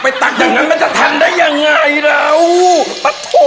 ไปตักยังงั้นน่ะมันจะทันได้ยังไงล้าอุปัดโถ